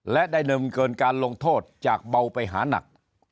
และได้นำเกินการลงโทษจากเบาไปหานัก